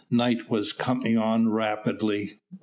Night was coming on rapidly.